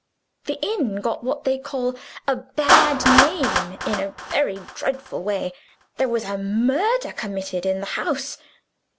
The inn got what they call a bad name in a very dreadful way. There was a murder committed in the house."